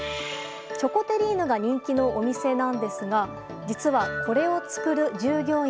チョコテリーヌが人気のお店なんですが実は、これを作る従業員